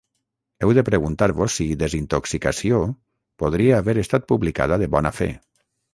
Heu de preguntar-vos si ‘Desintoxicació’ podria haver estat publicada de bona fe.